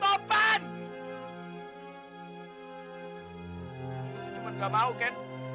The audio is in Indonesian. lo tuh cuma nggak mau ken